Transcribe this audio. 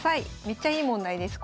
めっちゃいい問題です